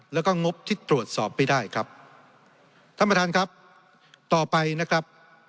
แล้วก็งบที่ตรวจสอบไม่ได้ครับท่านประธานครับต่อไปนะครับ